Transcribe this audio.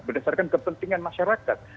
berdasarkan kepentingan masyarakat